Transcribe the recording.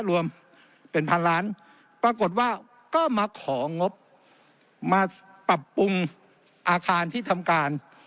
รวมเป็นพันล้านปรากฏว่าก็มาของงบมาปรับปรุงอาคารที่ทำการ